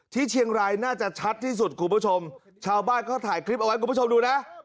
ที่เชียงรายน่าจะชัดที่สุดคุณผู้ชมชาวบ้านเขาถ่ายคลิปเอาไว้คุณผู้ชมดูนะ